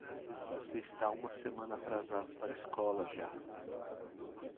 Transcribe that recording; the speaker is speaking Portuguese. Você está uma semana atrasado para a escola já.